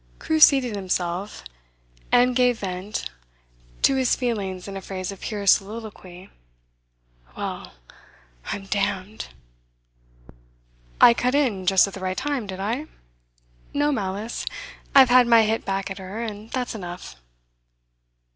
Crewe seated himself and gave vent to his feelings in a phrase of pure soliloquy: 'Well, I'm damned!' 'I cut in just at the right time, did I? No malice. I've had my hit back at her, and that's enough.